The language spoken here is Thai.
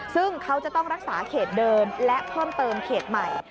ซึ่งเขาจะต้องรักษาเขตเดิมและเพิ่มเติมเขตใหม่